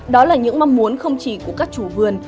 đó là những mong muốn không chỉ của các chủ vườn